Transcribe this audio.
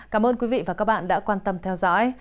cảm ơn quý vị và các bạn đã quan tâm theo dõi